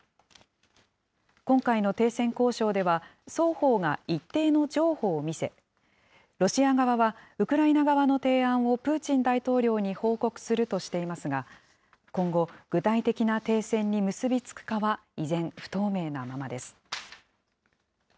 今回の停戦交渉では、双方が一定の譲歩を見せ、ロシア側はウクライナ側の提案をプーチン大統領に報告するとしていますが、今後、具体的な停戦に結び付くかは依然、不透明なままです。